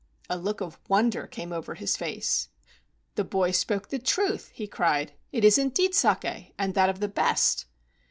A look of wonder came over his face. "The boy spoke the truth," he cried. "It is indeed saki, and that of the best."